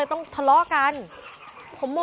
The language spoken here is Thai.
โชว์มือ